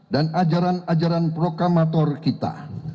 dan ajaran ajaran prokamator kita